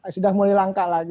sudah mulai langka lagi